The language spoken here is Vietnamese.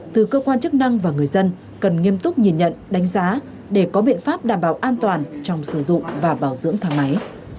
từ cơ quan chức năng và người dân cần nghiêm túc nhìn nhận đánh giá để có biện pháp đảm bảo an toàn trong sử dụng và bảo dưỡng thang máy